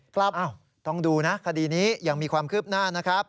ต้องดูนะคดีนี้ยังมีความคืบหน้านะครับ